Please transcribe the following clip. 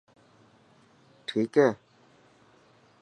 ٺيڪ هي.